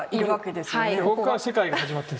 ここから世界が始まってる。